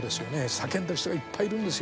叫んでる人がいっぱいいるんですよね。